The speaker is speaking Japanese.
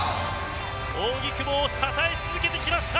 扇久保を支え続けてきました。